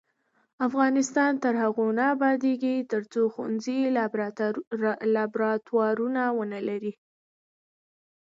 افغانستان تر هغو نه ابادیږي، ترڅو ښوونځي لابراتوارونه ونه لري.